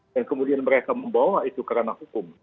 dan kemudian mereka membawa itu kerana hukum